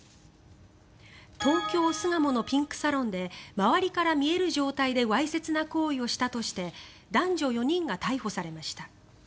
東京・巣鴨のピンクサロンで周りから見える状態でわいせつな行為をしたとして男女４人が逮捕されました。